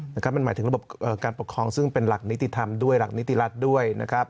มันหมายถึงระบบการปกครองซึ่งเป็นหลักนิติธรรมด้วยหลักนิติรัฐด้วยนะครับ